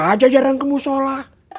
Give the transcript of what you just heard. kamu saja jarang ke musyola